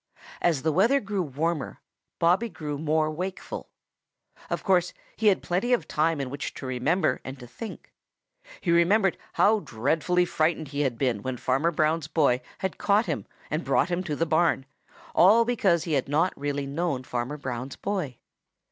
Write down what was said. As the weather grew warmer, Bobby grew more wakeful. Of course, he had plenty of time in which to remember and to think. He remembered how dreadfully frightened he had been when Farmer Brown's boy had caught him and brought him to the barn, all because he had not really known Farmer Brown's boy.